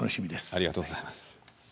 ありがとうございます。